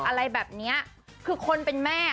อะไรแบบนี้คือคนเป็นแม่